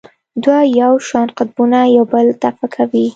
دوه یو شان قطبونه یو بل دفع کوي.